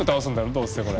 どうせこれ。